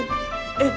えっ。